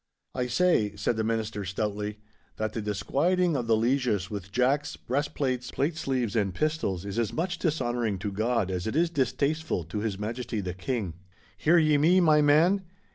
'I say,' said the Minister, stoutly, 'that the disquieting of the lieges with jacks, breast plates, plate sleeves, and pistols is as much dishonouring to God as it is distasteful to His Majesty the King—' 'Hear ye me, my man.